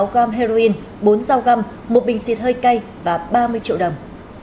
tám sáu gram heroin bốn rau găm một bình xịt hơi cay và ba mươi triệu đồng